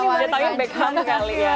dia panggil back home kali ya